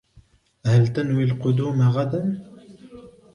هل تنوي القدوم غدًا ؟